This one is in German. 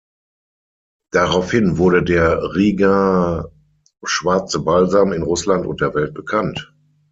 Daraufhin wurde der Rigaer Schwarze Balsam in Russland und der Welt bekannt.